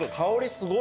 すごい。